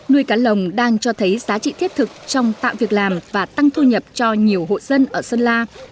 nuôi cá lồng đang cho thấy giá trị thiết thực trong tạo việc làm và tăng thu nhập cho nhiều hộ dân ở sơn la